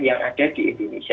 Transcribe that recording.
yang ada di indonesia